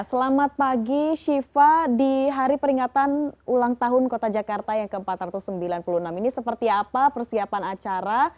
selamat pagi syifa di hari peringatan ulang tahun kota jakarta yang ke empat ratus sembilan puluh enam ini seperti apa persiapan acara